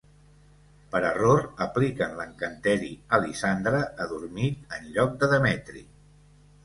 Per error apliquen l'encanteri a Lisandre adormit en lloc de Demetri.